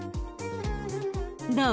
どう？